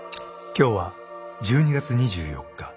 ［今日は１２月２４日］